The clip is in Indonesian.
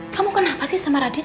kamu kenapa sih sama radit